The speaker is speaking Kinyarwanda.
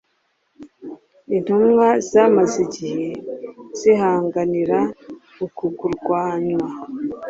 Intumwa zamaze igihe zihanganira uku kurwanywa,